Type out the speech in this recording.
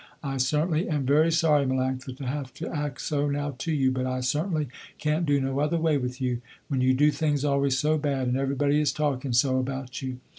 I certainly am very sorry Melanctha, to have to act so now to you, but I certainly can't do no other way with you, when you do things always so bad, and everybody is talking so about you.